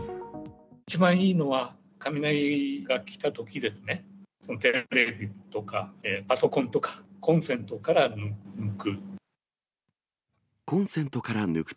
一番いいのは、雷がきたとき、テレビとかパソコンとかコンセントから抜く。